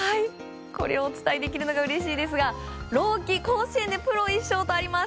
これをお伝えできるのがうれしいですが朗希、甲子園でプロ１勝とあります。